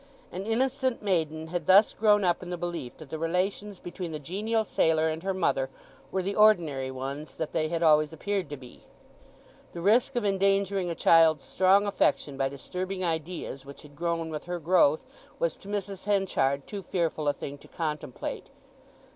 An innocent maiden had thus grown up in the belief that the relations between the genial sailor and her mother were the ordinary ones that they had always appeared to be. The risk of endangering a child's strong affection by disturbing ideas which had grown with her growth was to Mrs. Henchard too fearful a thing to contemplate.